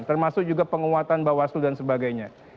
termasuk juga penguatan bawah suhu dan sebagainya